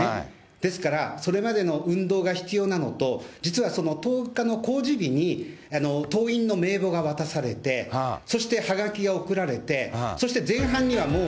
ですから、それまでの運動が必要なのと、実は１０日の公示日に、党員の名簿が渡されて、そして、はがきが送られて、そして前半にはもう、